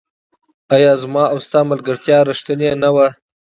آيا زما او ستا ملګرتيا ريښتيني نه وه